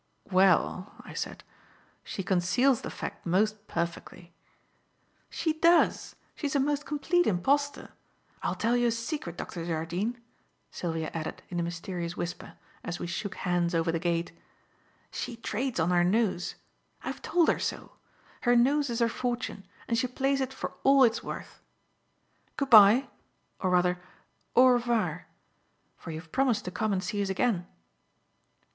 "Well," I said, "she conceals the fact most perfectly." "She does. She is a most complete impostor. I'll tell you a secret, Dr. Jardine," Sylvia added in a mysterious whisper, as we shook hands over the gate; "she trades on her nose. I've told her so. Her nose is her fortune, and she plays it for all it's worth. Goodbye or rather, au revoir! for you've promised to come and see us again."